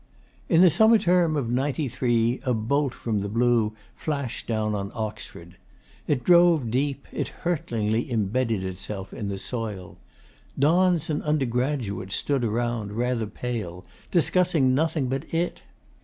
In the Summer Term of '93 a bolt from the blue flashed down on Oxford. It drove deep, it hurtlingly embedded itself in the soil. Dons and undergraduates stood around, rather pale, discussing nothing but it.